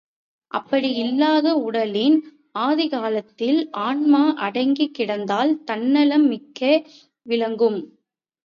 அப்படி இல்லாது உடலின் ஆதிக்கத்தில் ஆன்மா அடங்கிக் கிடந்தால் தன்னலம் மிக்கே விளங்கும்.